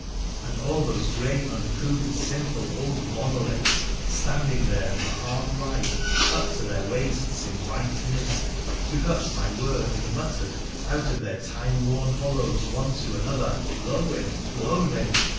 ' and all those grey, uncouth, sinful old monoliths, standing there in the half light up to their waists in white mist, took up my word and muttered out of their time worn hollows one to another, ' Blodwen, Blodwen !